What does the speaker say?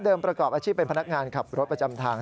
ประกอบอาชีพเป็นพนักงานขับรถประจำทาง